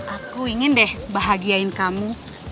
aku ingin deh bahagiain kamu